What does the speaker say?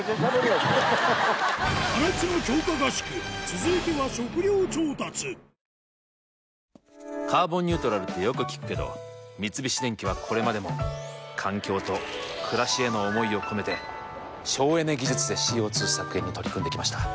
続いては「カーボンニュートラル」ってよく聞くけど三菱電機はこれまでも環境と暮らしへの思いを込めて省エネ技術でＣＯ２削減に取り組んできました。